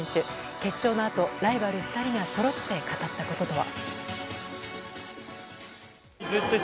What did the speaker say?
決勝のあと、ライバル２人がそろって語ったこととは。